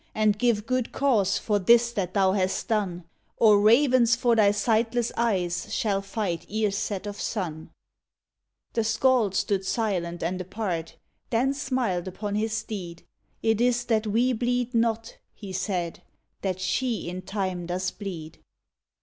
and give good cause For this that thou hast done, Or ravens for thy sightless eyes Shall fight ere set of sun!" ii THE WITCH The skald stood silent and apart, Then smiled upon his deed. It is that we bleed not," he said, "That she in time does bleed.